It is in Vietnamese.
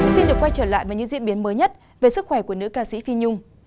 xin được quay trở lại với những diễn biến mới nhất về sức khỏe của nữ ca sĩ phi nhung